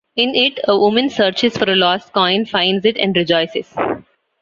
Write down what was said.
In it, a woman searches for a lost coin, finds it, and rejoices.